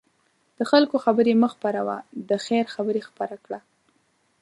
د خلکو خبرې مه خپره وه، د خیر خبرې خپره کړه.